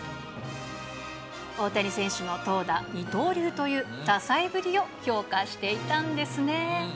大谷選手の投打二刀流という多才ぶりを評価していたんですね。